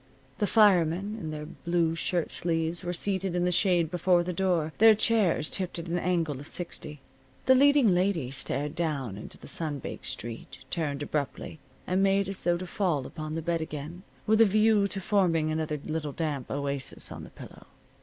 The firemen, in their blue shirt sleeves, were seated in the shade before the door, their chairs tipped at an angle of sixty. The leading lady stared down into the sun baked street, turned abruptly and made as though to fall upon the bed again, with a view to forming another little damp oasis on the pillow.